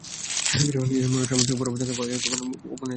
নিজের মনোমত রচনাবলী না পাইলে কেহ কেহ নূতন উপনিষদ রচনা পর্যন্ত করিয়া লন।